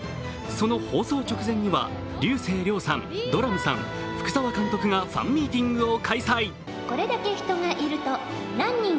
その放送直前には竜星涼さん、ドラムさん、福澤監督がファンミーティングを開催。